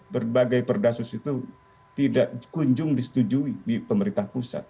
berbagai perdasus itu tidak kunjung disetujui di pemerintah pusat